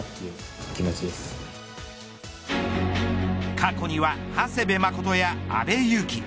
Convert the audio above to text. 過去には長谷部誠や阿部勇樹